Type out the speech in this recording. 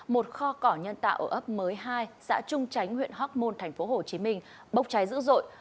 một kho cỏ nhân tạo ở ấp mới hai xã trung chánh huyện hóc môn tp hcm bốc cháy dữ dội